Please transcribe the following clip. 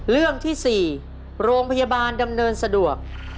เรื่องที่๔โรงพยาบาลดำเนินสะดวก